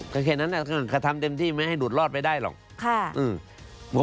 ก็แค่นั้นก็ทำเต็มที่ไม่ให้หลุดรอดไปได้หรอก